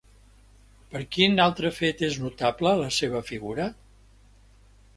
Per quin altre fet és notable, la seva figura?